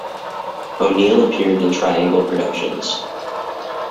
O'Neill appeared in triangle productions!